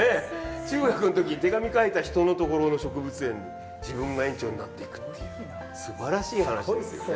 中学の時手紙書いた人のところの植物園に自分が園長になっていくっていうすばらしい話ですよね。